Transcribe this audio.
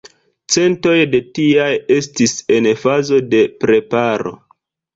Centoj de tiaj estis en fazo de preparo.